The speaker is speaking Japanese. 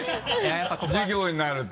授業になると。